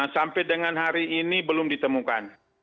sampai dengan hari ini belum ditemukan